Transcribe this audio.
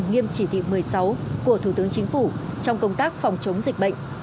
công an hà nội tiếp tục hành nghiêm chỉ thị một mươi sáu của thủ tướng chính phủ trong công tác phòng chống dịch bệnh